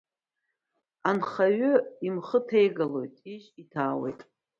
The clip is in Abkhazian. Анхаҩы имхы ҭеигалоит, ижь иҭаауеит.